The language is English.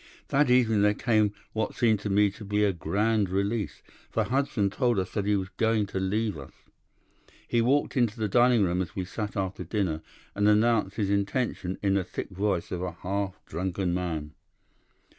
"'That evening there came what seemed to me to be a grand release, for Hudson told us that he was going to leave us. He walked into the dining room as we sat after dinner, and announced his intention in the thick voice of a half drunken man.